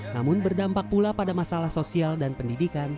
namun berdampak pula pada masalah sosial dan pendidikan